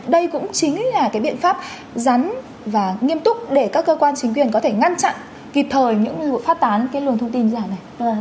đây cũng chính là cái biện pháp rắn và nghiêm túc để các cơ quan chính quyền có thể ngăn chặn kịp thời những vụ phát tán cái luồng thông tin như thế nào này